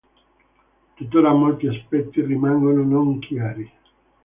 Tuttora molti aspetti rimangono non chiari.